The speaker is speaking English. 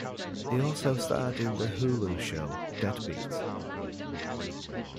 He also starred in the Hulu show "Deadbeat".